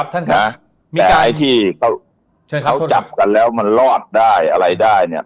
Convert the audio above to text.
มีการที่เขาจับกันแล้วมันรอดได้อะไรได้เนี่ย